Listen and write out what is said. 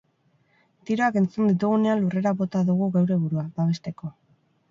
Tiroak entzun ditugunean lurrera bota dugu geure burua, babesteko.